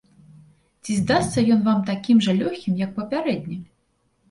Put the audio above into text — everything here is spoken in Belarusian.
Ці здасца ён вам такім жа лёгкім, як папярэдні?